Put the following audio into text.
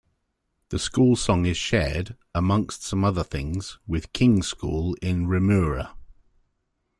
The school song is shared, amongst some other things, with King's School in Remuera.